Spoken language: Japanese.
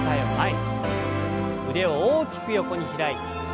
腕を大きく横に開いて。